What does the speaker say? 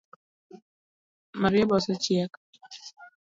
Marieba osechiek?